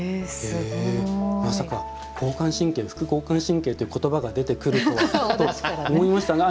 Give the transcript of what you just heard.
まさか交感神経副交感神経という言葉が出てくるとはと思いましたが。